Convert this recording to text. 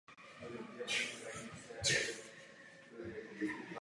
Byl členem slovinských národních a katolických spolků.